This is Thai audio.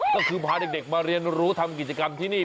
ก็คือพาเด็กมาเรียนรู้ทำกิจกรรมที่นี่